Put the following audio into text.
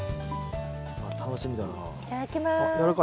あっ楽しみだな。